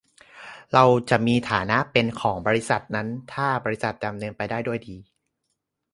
เราจะมีฐานะเป็น ของบริษัทนั้น ถ้าบริษัทดำเนินไปได้ดี